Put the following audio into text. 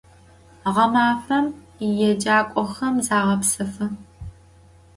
Ğemafem yêcak'oxem zağepsefı.